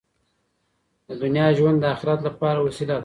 د دنیا ژوند د اخرت لپاره وسیله ده.